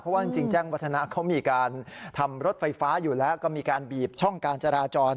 เพราะว่าจริงแจ้งวัฒนะเขามีการทำรถไฟฟ้าอยู่แล้วก็มีการบีบช่องการจราจร